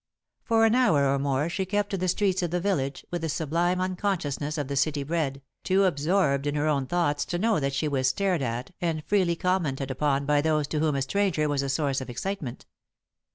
For an hour or more, she kept to the streets of the village, with the sublime unconsciousness of the city bred, too absorbed in her own thoughts to know that she was stared at and freely commented upon by those to whom a stranger was a source of excitement.